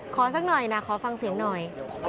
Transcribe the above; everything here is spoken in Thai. สักหน่อยนะขอฟังเสียงหน่อย